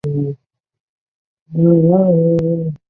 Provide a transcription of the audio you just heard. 接着这位澳大利亚老将取得了四连胜。